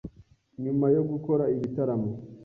Nyuma yo gukora ibitaramo